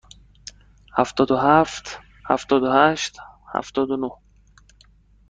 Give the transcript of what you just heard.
هفتاد و هفت، هفتاد و هشت، هفتاد و نه.